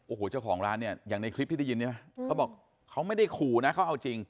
โอ้โหเจ้าของร้านเนี่ยอย่างในคลิปที่ได้ยินเนี่ยเขาบอกเขาไม่ได้ขู่นะเขาเอาจริง